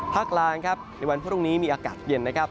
ภาคล้างในวันพรุ่งนี้มีอากาศเย็น